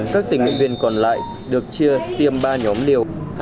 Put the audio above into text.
các tỉnh nguyện viên còn lại được chia tiêm ba nhóm liều